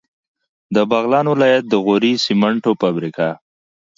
د بغلان ولایت د غوري سیمنټو فابریکه